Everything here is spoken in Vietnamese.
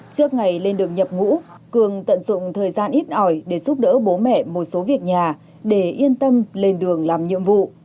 trước ngày lên đường nhập ngũ cường tận dụng thời gian ít ỏi để giúp đỡ bố mẹ một số việc nhà để yên tâm lên đường làm nhiệm vụ